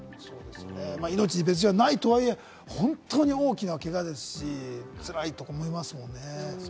命に別条はないとはいえ、本当に大きなけがですし、辛いと思いますもんね。